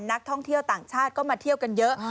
นักท่องเที่ยวต่างชาติก็มาเที่ยวกันเยอะ